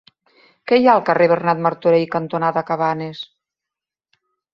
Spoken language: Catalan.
Què hi ha al carrer Bernat Martorell cantonada Cabanes?